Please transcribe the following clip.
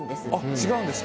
違うんですか？